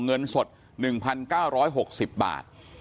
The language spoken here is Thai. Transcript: เงินสด๑๙๖๐บาท